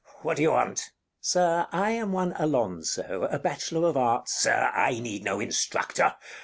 What do you want? Count Sir, I am one Alonzo, a bachelor of arts Bartolo Sir, I need no instructor.